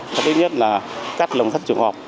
cách nhất là cắt lồng sắt chuồng cọp